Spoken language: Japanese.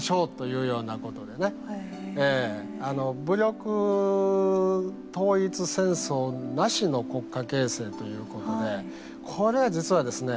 武力統一戦争なしの国家形成ということでこれは実はですね